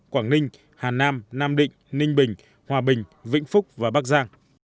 quảng ninh hà nam nam định ninh bình hòa bình vĩnh phúc và bắc giang